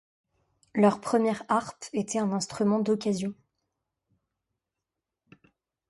Leur première harpe était un instrument d'occasion.